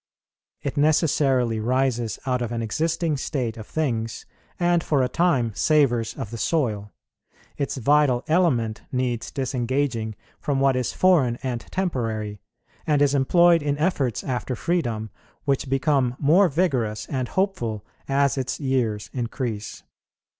It necessarily rises out of an existing state of things, and for a time savours of the soil. Its vital element needs disengaging from what is foreign and temporary, and is employed in efforts after freedom which become more vigorous and hopeful as its years increase.